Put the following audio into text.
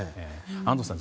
安藤さん